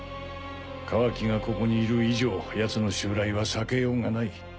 カワキがここにいる以上ヤツの襲来は避けようがない。